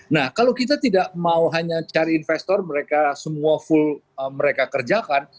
nah kalau kita tidak mau hanya cari investor mereka semua full mereka kerjakan